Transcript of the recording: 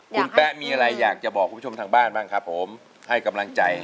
คุณแป๊ะมีอะไรอยากจะบอกคุณผู้ชมทางบ้านบ้างครับผมให้กำลังใจ